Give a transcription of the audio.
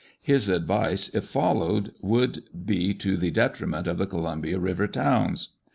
His advice, if followed, would be to the detri ment of the Columbia River towns.